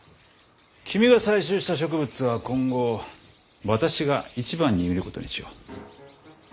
君が採集した植物は今後私が一番に見ることにしよう。